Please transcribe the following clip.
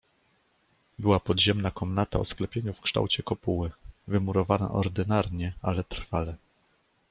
"Była podziemna komnata o sklepieniu w kształcie kopuły, wymurowana ordynarnie ale trwale."